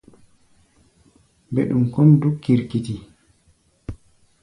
Mbɛɗum kɔ́ʼm dúk kirkiti.